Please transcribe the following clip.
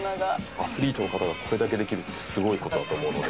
アスリートの方がこれだけできるってすごい事だと思うので。